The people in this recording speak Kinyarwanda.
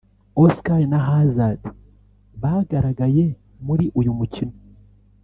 Oscar na Hazard bagaragaye muri uyu mukino